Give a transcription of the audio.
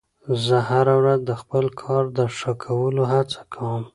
زه هره ورځ د خپل کار د ښه کولو هڅه کوم